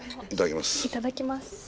いただきます。